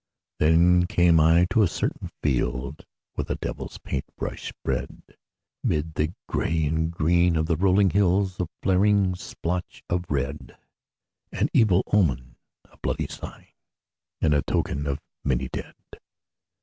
Then came I into a certain field Where the devil's paint brush spread 'Mid the gray and green of the rolling hills A flaring splotch of red, An evil omen, a bloody sign, And a token of many dead.